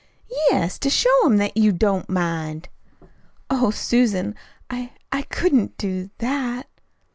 "Yes, to to show him that you don't mind." "Oh, Susan, I I couldn't do that."